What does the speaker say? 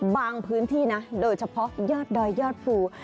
พื้นที่นะโดยเฉพาะยอดดอยยอดภู